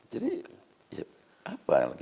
jadi apa lagi